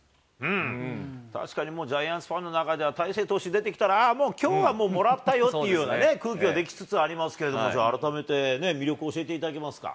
確かにジャイアンツファンの中では、大勢投手出てきたら、ああ、もうきょうはもうもらったよっていう空気が出来つつありますけど、改めて、魅力教えていただけますか？